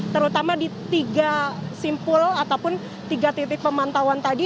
terutama di tiga simpul ataupun tiga titik pemantauan tadi